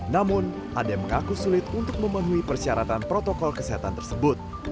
namun ada yang mengaku sulit untuk memenuhi persyaratan protokol kesehatan tersebut